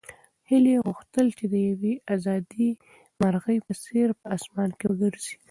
هیلې غوښتل چې د یوې ازادې مرغۍ په څېر په اسمان کې وګرځي.